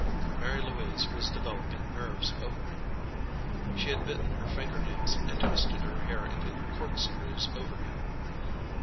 Mary Louise was developing nerves over him. She had bitten her finger nails, and twisted her hair into corkscrews over him.